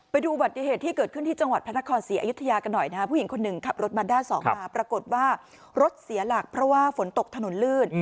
อุบัติเหตุที่เกิดขึ้นที่จังหวัดพระนครศรีอยุธยากันหน่อยนะฮะผู้หญิงคนหนึ่งขับรถมาด้านสองมาปรากฏว่ารถเสียหลักเพราะว่าฝนตกถนนลื่น